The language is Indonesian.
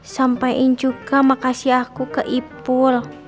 sampaikan juga makasih aku ke ipul